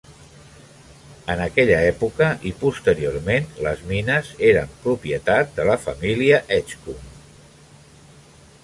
En aquella època i posteriorment, les mines eren propietat de la família Edgcumbe.